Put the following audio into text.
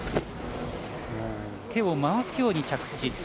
手を回すように着地。